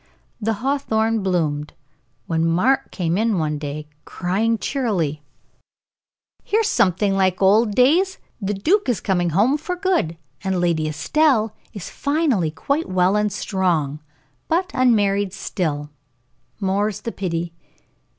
The hawthorn bloomed, when Mark came in one day, crying cheerily: "Here's something like old days. The duke is coming home for good, and Lady Estelle is finally quite well and strong, but unmarried still more's the pity."